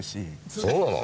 そうなの。